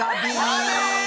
あれ！